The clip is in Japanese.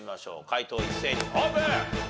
解答一斉にオープン！